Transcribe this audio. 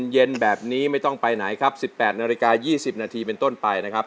เย็นแบบนี้ไม่ต้องไปไหนครับ๑๘นาฬิกา๒๐นาทีเป็นต้นไปนะครับ